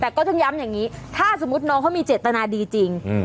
แต่ก็ต้องย้ำอย่างนี้ถ้าสมมุติน้องเขามีเจตนาดีจริง